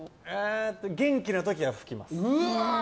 元気な時は拭きます。